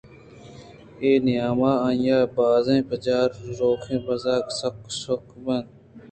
اے نیام ءَ آئی ءِ بازیں پجّاروکیں بزگرے ءَ سُک سُک بناکُت